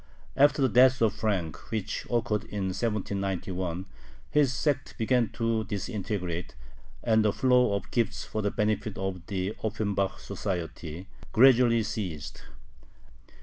After the death of Frank, which occurred in 1791, his sect began to disintegrate, and the flow of gifts for the benefit of the Offenbach Society gradually ceased.